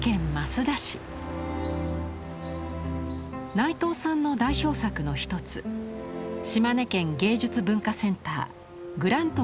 内藤さんの代表作の一つ島根県芸術文化センター「グラントワ」があります。